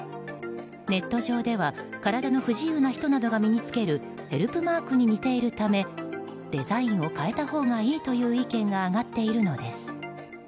ネット上では体の不自由な人などが身に着けるヘルプマークに似ているためデザインを変えたほうがいいという意見が上がっているのです。